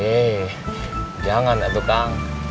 eh jangan ya tuh kang